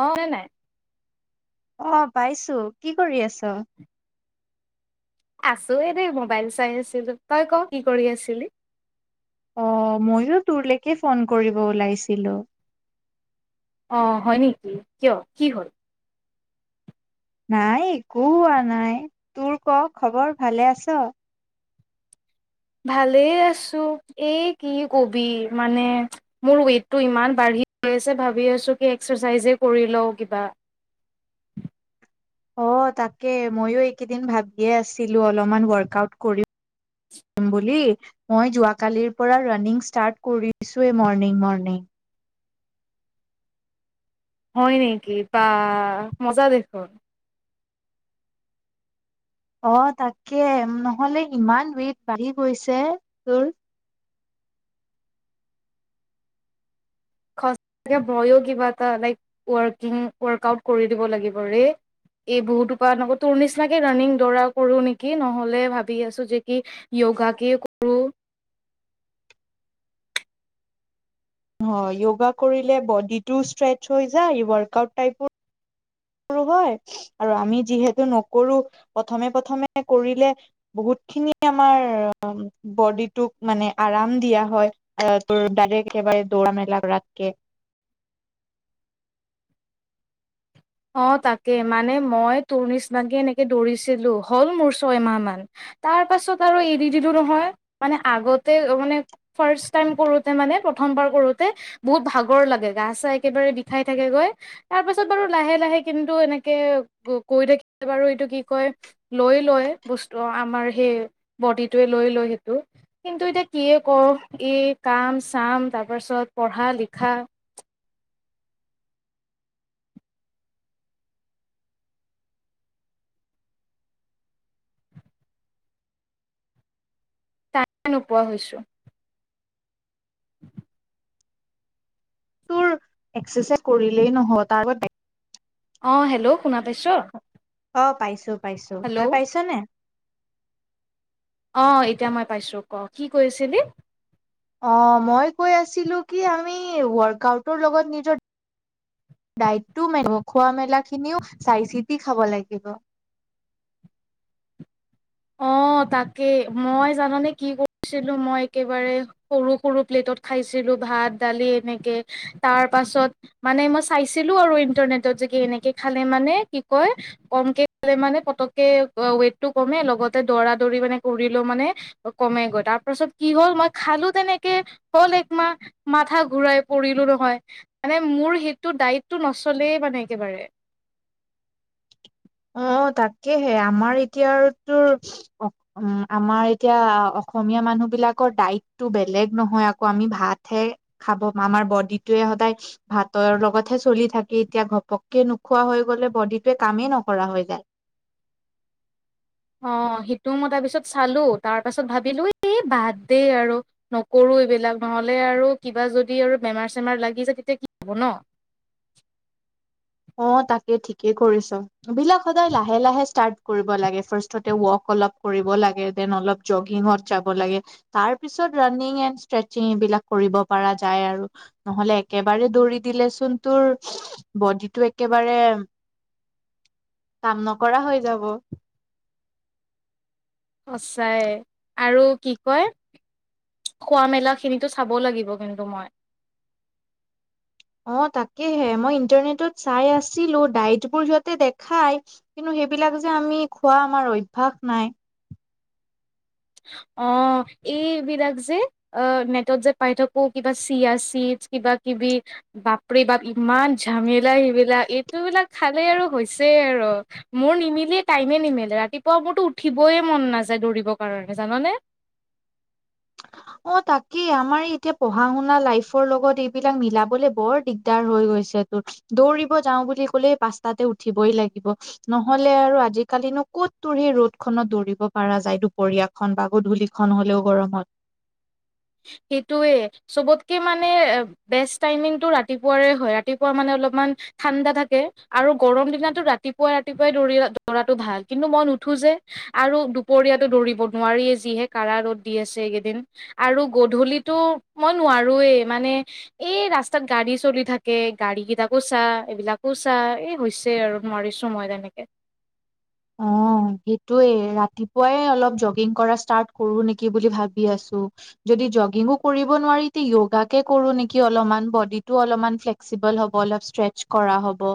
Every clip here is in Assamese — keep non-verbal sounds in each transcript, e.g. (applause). অ', নে নাই। অ', পাইছো, কি কৰি আছ? আছো এদ মোবাইল চাই আছিলো, তই ক কি কৰি আছিলি? অহ, ময়ো তোৰলৈকে ফোন কৰিব ওলাইছিলো। অ', হয় নেকি, কিয় কি হ'ল? নাই একো হোৱা নাই, তোৰ ক' খবৰ ভালে আছ? ভালেই আছো এই কি ক'বি মানে মোৰ ৱেইটটো ইমান বাঢ়ি গ আছে ভাবি আছো কি এক্সাৰচাইজে কৰি লওঁ কিবা। অ', তাকে ময়ো এইকেইদিন ভাবিয়ে আছিলো অলপমান ৱৰ্কআউট কৰিম বুলি মই যোৱাকালিৰ পৰা ৰাণিং ষ্টাৰ্ট কৰি ৱেই মৰ্ণিং, মৰ্ণিং। হয় নেকি বা মজা দেখোন। অ', তাকে নহ'লে ইমান ৱেট বাঢ়ি গৈছে তোৰ। ভয়ো কিবা এটা লাইক ৱৰ্কিং ৱৰ্কআউট কৰি দিব লাগিব ৰে এই বহুত উপায় নক তোৰ নিচিনাকে ৰাণিং দৰা কৰো নেকি নহ'লে ভাবি আছো যে কি য়োগা কে কৰোঁ। হয় য়োগা কৰিলে ব'ডিটো ষ্ট্ৰেচ হৈ যায় ৱৰ্কআউট টাইপ কৰোঁ হয় আৰু আমি যিহেতু নকৰো প্ৰথমে প্ৰথমে কৰিলে বহুত খিনি আমাৰ বডিটোক মানে আৰাম দিয়া হয় অহ, তোৰ ব একেবাৰে দৌৰা মেলা কৰাতকে। অ', তাকে মানে মই তোৰ নিচিনাকে এনেকে দৌৰিছিলো হল মোৰ ছয়মাহ মান তাৰ পাছত আৰু এৰি দিলো নহয় মানে আগতে মানে ফাৰট টাইম কৰোতে মানে প্ৰথমবাৰ কৰোতে বহুত ভাগৰ লাগে গা চা একেবাৰে বিষাই থাকেগৈ তাৰ পাছত বাৰু লাহে লাহে কিন্তু এনেকে কৈ থাকিলে বাৰু এইটো কি কয় লৈ লয় বস্তু আমাৰ সেই বডিটোৱে লৈ লয় সেইটো কিন্তু এতিয়া কিয়ে কওঁ ই কাম চাম তাৰ পাছত পঢ়া লিখা নোপোৱা হৈছো। (inaudible) তোৰ একাৰচাইজ কৰিলেই নহয় তাৰ অ', হেল্ল' শুনা পাইছ? অ', পাইছো। পাইছো, তই হেল্ল' পাইছ নে? অ', এতিয়া মই পাইছো ক' কি কৈ আছিলি? অ', মই কৈ আছিলো কি আমি ৱৰ্কউটৰ লগত নিজৰ ডাইটটো খোৱা মেলা খিনিাইিতি খাব লাগিব। অ', তাকে মই জানানে কি কৰিছিলো মই একেবাৰে সৰু সৰু প্লেটত খাইছিলো ভাত, দালি এনেকে তাৰ পাছত মানে মই চাইছিলো আৰু ইণ্টাৰনেটত যে কি এনেকে খালে মানে কি কয় কমকে খালে মানে পতককে ৱেইটটো কমে লগ গতে দৌৰা দৌৰি মানে কৰিলো মানে কমে গৈ তাৰ পাছত কি হ'ল মই খালো তেনেকে হ'ল একমাহ মাথা ঘূৰাই পৰিলোঁ নহয় মানে মোৰ সেইটো ডায়িতটো নচলেই মানে একেবাৰে। অ', তাকেহে আমাৰ এতিয়াৰ তোৰ উ আমাৰ এতিয়া অসমীয়া মানুহ বিলাকৰ ডাইটটো বেলেগ নহয় আকৌ আমি ভাতহে খাব আমাৰ বডিটয়ে সদায় ভাতৰ লগতহে চলি থাকে এতিয়া ঘপককে নোখোৱা হৈ গ'লে বডিটোৱে কামেই নক কৰা হৈ যায়। অ', সেইটোও মই তাৰপিছত চালো তাৰপাছত ভাবিলো এই বাদ দে আৰু নকৰো এইবিলাক নহ'লে আৰু কিবা যদি আৰু বেমাৰ চেমাৰ লাগি যায় তেতিয়া কি হ'ব ন'। অ', তাকে ঠিকেই কৰিছ বিলাক সদায় লাহে লাহে ষ্টাৰ্ট কৰিব লাগে ফাৰ্ষতে ৱক অলপ কৰিব লাগে দেন অলপ জগিঙত যাব লাগে তাৰপিছত ৰাণিং এণ্ড ষ্ট্ৰেচিং এইবিলাক কৰিব পৰা যায় আৰু নহলে একেবাৰে দৌৰি দিলেচোন তোৰ বড টো একেবাৰে, কাম নকৰা হৈ যাব। সচাইে আৰু কি কয় খোৱা মেলা খিনিতো চাব লাগিব কিন্তু মই। অ', তাকেহে মই ইণ্টাৰনেটত চাই আছিলো ডাইটবোৰ সিহঁতে দেখাই কিন্তু সেইবিলাক যে আমি খোৱা আমাৰ অভ্যাস নাই। অ', এইবিলাক যে অ', নেটত যে পাই থাকো কিবা চিয়া চিড্চ কিবা কিবি বাপৰি বাপ ইমান ঝামেলা সেইবিলাক এইটো বিলাক খালে আৰু হৈছে আৰু মোৰ নিমিলিয় টাইমে নিমিলে ৰাতিপুৱা মোৰতো উঠিবয়ে মন নাযায় দৌৰিব অ জাননে অ তাকেই আমাৰ এতিয়া পঢ়া শুনা লাইফৰ লগত এইবিলাক মিলাবলে বৰ দিগদাৰ হৈ গৈছে তোৰ দৌৰিব যাও বুলি কলে পাঁচতাতে উঠিবই লাগিব নহলে আৰু আজিকালিনো কত তোৰ সেই ৰদ খত দৌৰিব পৰা যায় দুপৰীয়াখন বা গধূলিখন হলেও গৰমত সেইটোৱে চবতকে মানে বেষ্ট টাইমিংটো ৰাতিপুৱাৰে হয়। ৰাতিপুৱা মানে অলপমান ঠাণ্ডা থাকে, আৰু গৰম দিনাটো ৰাতিপুৱাই-ৰাতিপুৱাই দৌৰি-দৌৰাটো ভাল কিন্তু মই নুঠো যে। আৰু দুপৰীয়াতো দৌৰিব নোৱাৰিয়ে যিহে কাৰা ৰ'দ দি আছে এইকেইদিন আৰু গধূলীটো মই নোৱাৰোৱেই, মানে এই ৰাস্তাত গাড়ী চলি থাকে, গাড়ী কেইটাকো চা এইবিলাকো চা এই হৈছে আৰু নোৱাৰিছোঁ মই তেনেকে অ সেইটোৱেই ৰাতিপুৱাই অলপ জগিং কৰা ষ্টাৰ্ট কৰোঁ নেকি বুলি ভাবি আছো। যদি জগিঙো কৰিব নোৱাৰি তে য়োগাকে কৰো নেকি অলমান বডিটো অলমান ফ্লেসিবল হ'ব অলপ ষ্ট্ৰেচ কৰা হ'ব।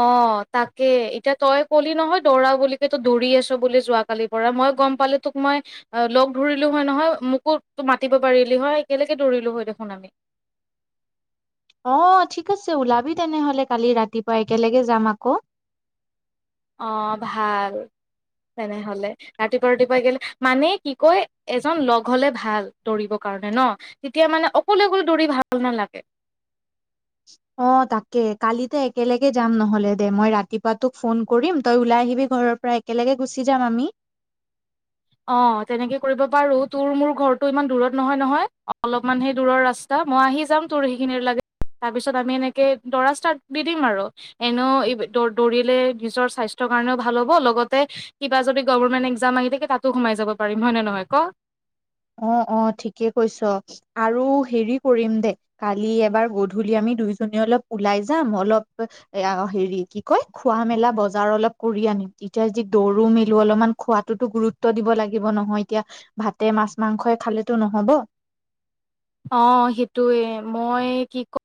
অ', তাকে এতিয়া তই কলি নহয় দৌৰা বুলি কে তো দৌৰি আছ বুলি যোৱাকালিৰ পৰা। মই গম পালো তোক মই লগ ধৰিলো হয় নহয়, মোকো তো মাতিব পাৰিলি হয় একেলগে দৌৰিলো হয় দেখোন আমি অ ঠিক আছে ওলাবি তেনেহলে কালি ৰাতিপুৱা একেলগে যাম আকৌ। অ ভাল, তেনেহলে ৰাতিপুৱা-ৰাতিপুৱাই গেলে মানে কি কয় এজন লগ হলে ভাল দৌৰিবৰ কাৰণে ন? তেতিয়া মানে অকলে অকলে দৌৰি ভাল নালাগে। অ তাকে, কালি তে একেলগে যাম নহ'লে দে, মই ৰাতিপুৱা তোক ফোন কৰিম তই ওলাই আহিবি ঘৰৰ পৰা একেলগে গুচি যাম আমি। অ তেনেকে কৰিব পাৰো। তোৰ মোৰ ঘৰটো ইমান দূৰত নহয় নহয়, অলপমান সেই দূৰৰ ৰাস্তা। মই আহি যাম তোৰ সেইখিনিৰ লেগে, তাৰপিছত আমি এনেকে দ'ৰা ষ্টাৰ্ট দি দিম আৰু এনেও দ-দৌৰিলে নিজৰ স্বাস্থ্যৰ কাৰণেও ভাল হ'ব, লগতে কিবা যদি গভৰ্ণমেণ্ট এক্সাম আহি থাকে তাত তো সোমাই যাব পাৰিম হয় নে নহয় ক? অ', অ', ঠিকে কৈছ আৰু হেৰি কৰিম দে, কালি এবাৰ গধূলি আমি দুইজনী অলপ ওলাই যাম অলপ এ অ হেৰি কি কয়, খোৱা মেলা বজাৰ অলপ কৰি আনিম এতিয়া যদি দৌৰো মেলো অলপমান খোৱাটোতো গুৰুত্ব দিব লাগিব নহয় এতিয়া ভাতে মাছ মাংসই খালেতো নহ'ব। অ সেইটোৱে মই কি ক,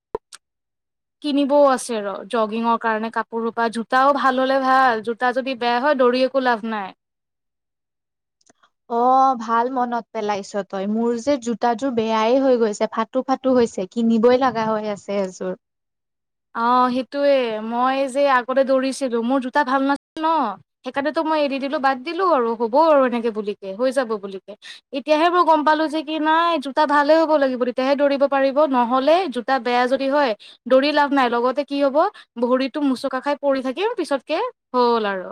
কিনিবও আছে ৰ জগিঙৰ কাৰণে কাপোৰৰ পৰা জোতাও ভাল হলে ভাল জোতা যদি বেয়া হয় দৌৰি একো লাভ নাই। অ', ভাল মনত পেলাইছ তই। মোৰ যে জোতাযোৰ বেয়াই হৈ গৈছে ফাটো ফাটো হৈছে কিনিবই লগা হৈ আছে এযোৰ অ', সেইটোয়ে, মই যে আগতে দৌৰিছিলো মোৰ জোতা ভাল নাছিল ন, সেইকাৰণেতো মই এৰি দিলো বাদ দিলো আৰু হব আৰু এনেকে বুলিকে হৈ যাব বুলিকে এতিয়াহে মই গম পালো যে কি নাই জোতা ভালে হ'ব লাগিব তেতিয়াহে দৌৰিব পাৰিব, নহলে জোতা বেয়া যদি হয় দৌৰি লাভ নাই লগতে কি হব ভৰিতটো মোচকা খাই পৰি থাকিম পিছতকে হ'ল আৰু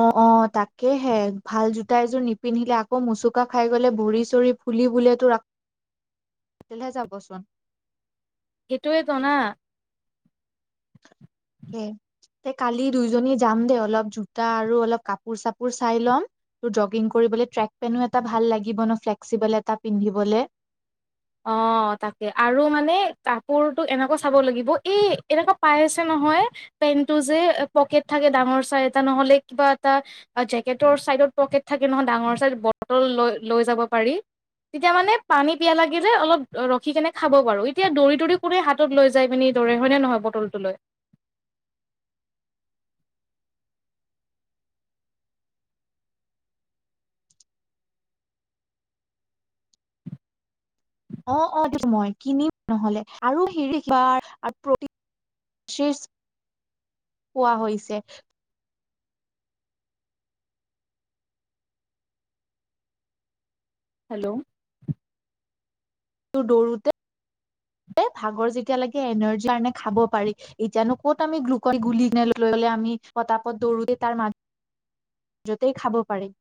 অ', অ', তাকেহে ভাল জোতা এযোৰ নিপিন্ধিলে আকৌ মোচুকা খাই গলে ভৰি চৰি ফুলি বোলো যাবচোন। এইটোৱে তো না তে কালি দুইজনী যাম দে অলপ জোতা আৰু অলপ কাপোৰ চাপোৰ চাই ল'ম। তোৰ জগিং কৰিবলৈ ট্ৰেক পেনো এটা ভাল লাগিব ন ফ্লেক্সিবল এটা পিন্ধিবলে অ', তাকে আৰু মানে কাপোৰটো এনেকুৱা চাব লাগিব এই এনেকুৱা পাই আছে নহয় পেণ্টটো যে পকেট থাকে ডাঙৰ চাই এটা, নহলে কিবা এটা জেকেটৰ চাইডত পকেট থাকে নহয় ডাঙৰ চাইড বটল লৈ-লৈ যাব পাৰি। তেতিয়া মানে পানী পিয়াহ লাগে যে অলপ ৰখি কেনি খাব পাৰো এতিয়া দৌৰি দৌৰি কোনে হাতত লৈ যাই পিনি দৰি হয়নে নহয় বটলটো লৈ। অ', অ', মই কিনিম নহলে আৰু হেৰি বাৰ প্ৰটিন পোৱা হৈছে। হেল্ল' দৌৰোতে ভাগৰ যেতিয়া লাগে এনাৰ্জিৰ কাৰণে খাব পাৰি, এতিয়াানো ক'ত আমি গ্লুকন গুলিলে লৈ লে আমি পতাপত দৌৰোতে তাৰ মাজ মাজতেই খাব পাৰিম।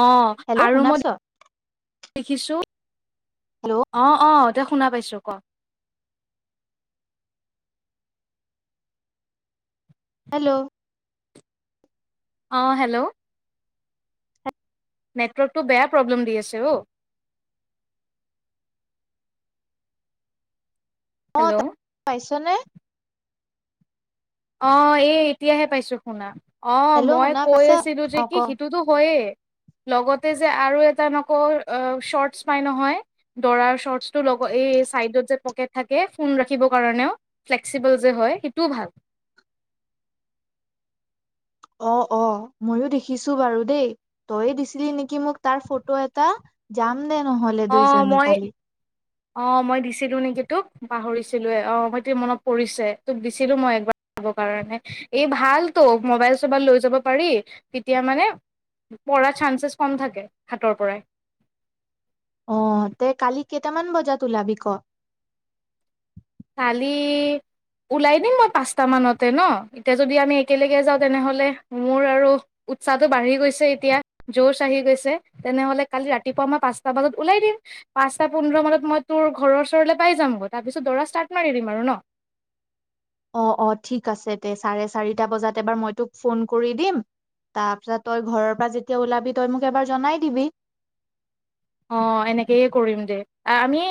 অ', হেল্ল' আৰু শুনা মই পাইছ? দেখিছো হেল্ল' অ', অ', এ শুনা পাইছো ক হেল্ল' অ', হেল্ল' নেটৱৰ্কটো বেয়া প্ৰব্লেম দি আছে অ' অ', হেল্ল' তাক পাইছনে অ', এই এতিয়াহে পাইছো শুনা। অ', হেল্ল' মই শুনা কৈ পাইছা? আছিলো যে অ ক কি সিটোতো হয়য়ে লগতে যে আৰু এটা নকওঁ শৰ্টচ পাই নহয় দ'ৰাৰ শৰ্টচটো লগ এই চাইডত যে পকেট থাকে ফোন ৰাখিবৰ কাৰণেও ফ্লেক্সিবল যে হয় সেইটোও ভাল। অ', অ', ময়ো দেখিছো বাৰু দেই, তয়ে দিছিলি নেকি মোক তাৰ ফটো এটা যাম ম দে নহলে অ দুইজনী মই কালি অ', মই দিছিলোঁ নেকি তোক পাহৰিছিলোৱে অ সট মনত পৰিছে। তোক দিছিলো মই একবাৰ চাব কাৰণে, এই ভালতো মোবাইল চবাইল লৈ যাব পাৰি তেতিয়া মানে পৰাৰ চানঞ্চেছ কম থাকে হাতৰ পৰাই। অহ তে কালি কেইটামান বজাত ওলাবি ক কালি ওলাই দিম মই পাঁচটা মানতে ন? এতিয়া যদি আমি একেলগে যাওঁ তেনেহলে মোৰ আৰু উৎসাহটো বাঢ়ি গৈছে এতিয়া, জচ আহি গৈছে। তেনেহলে কালি ৰাতিপুৱা মই পাঁচটা বজাত ওলাই দিম পাঁচটা পোন্ধৰ মানত মই তোৰ ঘৰৰ ওচৰলৈ পাই যামগৈ তাৰ পিছত দৰা ষ্টাৰ্ট মাৰি দিম আৰু ন? অ', অ', ঠিক আছে দে চাৰে চাৰিটা বজাত এবাৰ মই তোক ফোন কৰি দিম, তাৰপিছত তই ঘৰৰ পৰা যেতিয়া ওলাবি তই মোক এবাৰ জনাই দিবি অ', এনেকেয়ে কৰিম দে এ আমি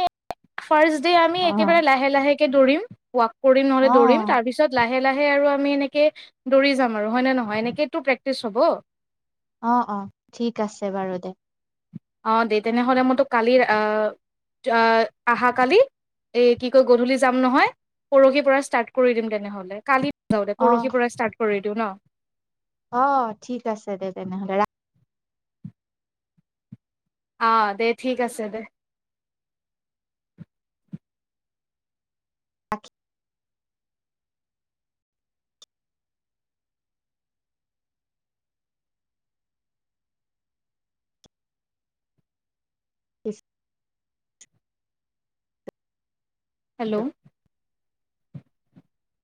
ফাৰ্ষ্ট ডে আমি অ একেবাৰে লাহে লাহেকে দৌৰিম ৱাক কৰিম নহলে অ দৌৰিম, তাৰপিছত লাহে লাহে, লাহে আৰু আমি এনেকে দৌৰি যাম আৰু হয় নহয় এনেকেইটো প্ৰেক্টিছ হ'ব। অ', অ', ঠিক আছে বাৰু দে। অ', দেই তেনেহ'লে মই কালি আহা কালি এ কি ক গধূলি যাম নহয় পৰহি পৰা ষ্টাৰ্ট কৰি দিম তেনেহ'লে হ'ব দে অ পৰহি পৰা ষ্টাৰ্ট কৰি দিওঁ ন'। অ', ঠিক আছে দে তেনেহ'লে ৰা অ', দে ঠিক আছে দে। (inaudible) ইচ হেল্ল'।